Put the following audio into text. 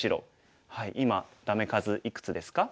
今ダメ数いくつですか？